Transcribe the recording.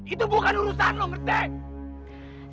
itu bukan urusan lo ngerti